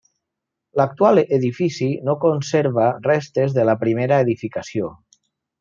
L'actual edifici no conserva restes de la primera edificació.